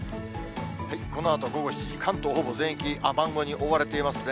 このあと午後７時、関東ほぼ全域、雨雲に覆われていますね。